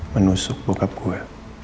menusuk bokap gue